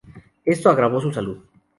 Esto agravó su salud.